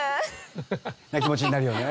な気持ちになるよね。